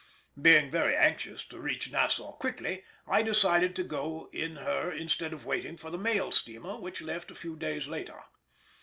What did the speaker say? Being very anxious to reach Nassau quickly, I decided to go in her instead of waiting for the mail steamer which left a few days later.